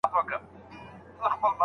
موږ ډېر اتڼ نه و وړاندي کړی.